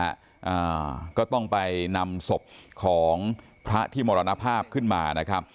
อ่าก็ต้องไปนำศพของพระที่มรณภาพขึ้นมานะครับ